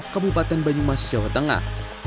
kabupaten banyumas jawa tengah